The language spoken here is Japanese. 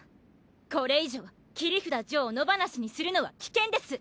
これ以上切札ジョーを野放しにするのは危険です。